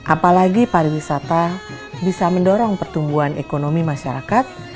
apalagi pariwisata bisa mendorong pertumbuhan ekonomi masyarakat